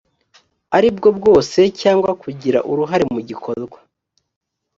ari bwo bwose cyangwa kugira uruhare mu gikorwa